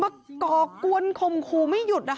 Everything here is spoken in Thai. มากรอกวั้นข่มครูไม่หยุดอะค่ะ